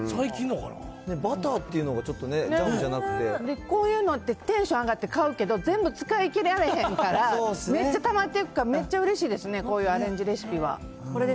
バターっていうのがちょっとこういうのってテンション上がって買うけど、全部使いきれへんから、めっちゃたまってくから、めっちゃうれしいですね、こういうアレンジレシピは。